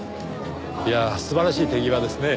いやあ素晴らしい手際ですね。